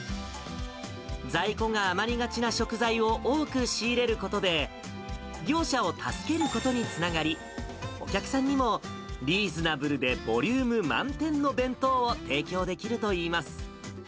在庫が余りがちな食材を多く仕入れることで、業者を助けることにつながり、お客さんにもリーズナブルでボリューム満点の弁当を提供できるといいます。